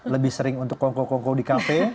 lebih sering untuk kongko kongko di kafe